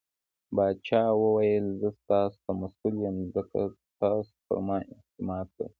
پاچا وويل :زه ستاسو ته مسوول يم ځکه تاسو پرما اعتماد کړٸ .